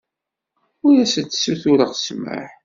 Ur asent-ssutureɣ ssmaḥ.